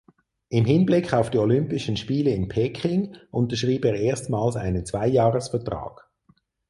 Im Hinblick auf die Olympischen Spiele in Peking unterschrieb er erstmals einen Zweijahresvertrag.